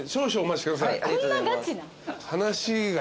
少々お待ちください。